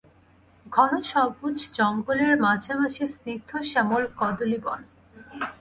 ঘন সবুজ জঙ্গলের মাঝে মাঝে স্নিগ্ধ শ্যামল কদলীবন।